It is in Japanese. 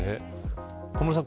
小室さん